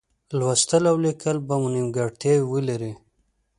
لوستل او لیکل به مو نیمګړتیاوې ولري.